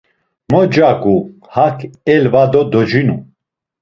Mo cagu, hak elva do docinu?